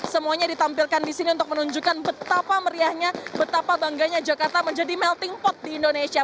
semuanya ditampilkan di sini untuk menunjukkan betapa meriahnya betapa bangganya jakarta menjadi melting pot di indonesia